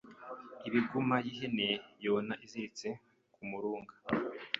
Ibuguma y’ihene yona iziritse kumurunga.